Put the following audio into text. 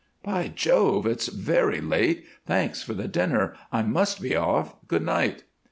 "By Jove! It's very late, thanks for the dinner, I must be off. Good night."